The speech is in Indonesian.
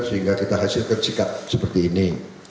sehingga kita bisa hasilkan ikat seperti ini